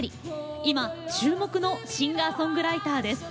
今注目のシンガーソングライターです。